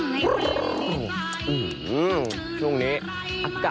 กูกูตอนมันให้เป็นดีใจ